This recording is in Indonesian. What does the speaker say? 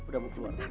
lady usir mereka